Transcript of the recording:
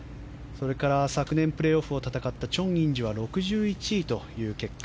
昨年プレーオフを戦ったチョン・インジは６１位という結果。